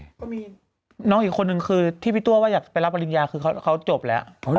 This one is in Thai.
ก็มีน้องอีกคนนึงคือที่พี่ตัวว่าอยากไปรับปริญญาคือเขาจบแล้ว